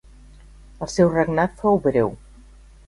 El seu regnat fou breu.